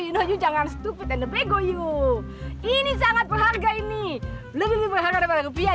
yuk jangan stupid dan bego yuk ini sangat berharga ini lebih berharga daripada rupiah